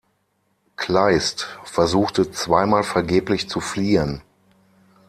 Kleist versuchte zweimal vergeblich zu fliehen.